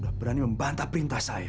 sudah berani membantah perintah saya